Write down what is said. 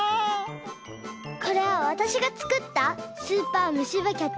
これはわたしがつくったスーパーむしばキャッチドリル！